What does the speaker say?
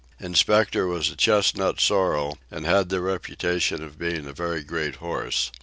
Inspector was a chestnut sorrel, and had the reputation of being a very great horse.